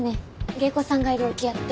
芸妓さんがいる置屋って。